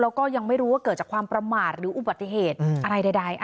แล้วก็ยังไม่รู้ว่าเกิดจากความประมาทหรืออุบัติเหตุอะไรใด